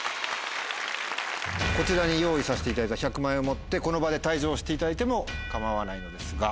こちらに用意させていただいた１００万円を持ってこの場で退場していただいても構わないのですが。